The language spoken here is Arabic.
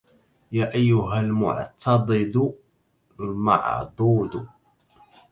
يا أيها المعتضد المعضود